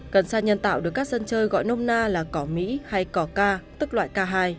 cần xa nhân tạo được các dân chơi gọi nông na là cỏ mỹ hay cỏ k tức loại k hai